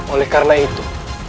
oleh karena itu